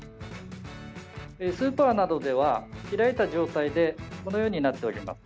スーパーなどでは開いた状態でこのようになっております。